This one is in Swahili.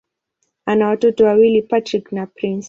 Ana watoto wawili: Patrick na Prince.